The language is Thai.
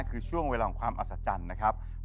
คือช่วงเวลาของความอัศจรรย์นะครับ